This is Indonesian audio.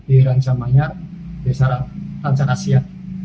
di rancan manyar di rancan asia